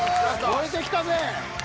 燃えてきたぜ！